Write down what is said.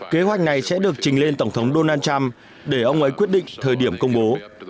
kế hoạch này sẽ được trình lên tổng thống donald trump để ông ấy quyết định thời điểm công bố